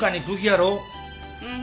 うん。